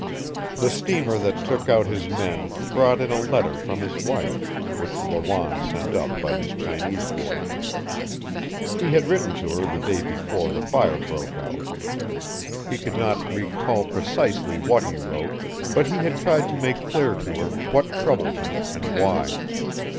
The steamer that took out his men brought in a letter from his wife, which Lawanne sent up by his Chinese boy. He had written to her the day before the fire broke out. He could not recall precisely what he wrote, but he had tried to make clear to her what troubled him and why.